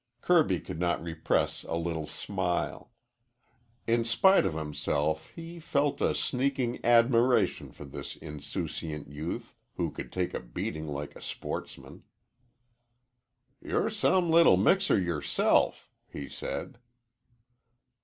Kirby could not repress a little smile. In spite of himself he felt a sneaking admiration for this insouciant youth who could take a beating like a sportsman. "You're some little mixer yourself," he said.